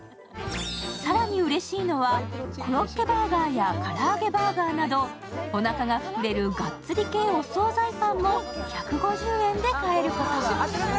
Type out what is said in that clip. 更にうれしいのはコロッケバーガーや唐揚げバーガーなどおなかが膨れるガッツリ系お総菜パンも１５０円で買えること。